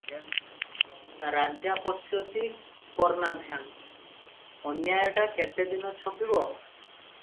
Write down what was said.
"ରାଜା ପଶ୍ୟତି କର୍ଣ୍ଣାଭ୍ୟାଂ ।" ଅନ୍ୟାୟଟା କେତେଦିନ ଛପିବ ।